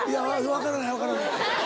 分からない分からない。